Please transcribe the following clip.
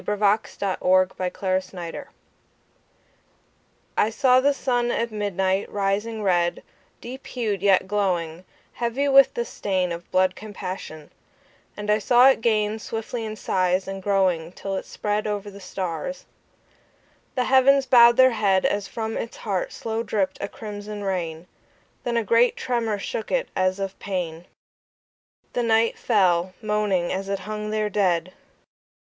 I saw the Sun at Midnight, rising red I SAW the Sun at midnight, rising red, Deep hued yet glowing, heavy with the stainOf blood compassion, and I saw It gainSwiftly in size and growing till It spreadOver the stars; the heavens bowed their headAs from Its heart slow dripped a crimson rain, Then a great tremor shook It, as of pain—The night fell, moaning, as It hung there dead.